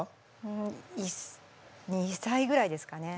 うん１２歳ぐらいですかね。